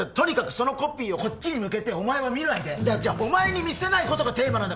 そのコピーをこっちに向けてお前は見ないでお前に見せないことがテーマなんだ